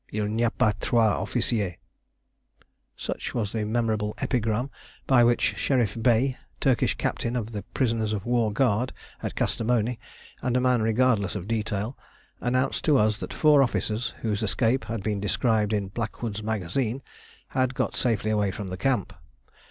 "Il n'y a pas trois officiers." Such was the memorable epigram by which Sherif Bey, Turkish Captain of the Prisoners of War Guard at Kastamoni, and a man regardless of detail, announced to us that four officers, whose escape has been described in 'Blackwood's Magazine,' had got safely away from the camp.